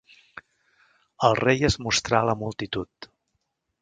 El rei es mostrà a la multitud.